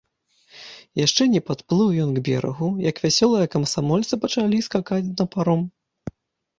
Яшчэ не падплыў ён к берагу, як вясёлыя камсамольцы пачалі скакаць на паром.